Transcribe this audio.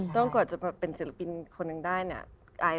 ต้องกว่าจะมาเป็นศิลปินคนดังได้เนี่ย